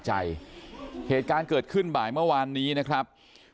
เหตุการณ์เกิดขึ้นบ่ายเมื่อวานนี้นะครับ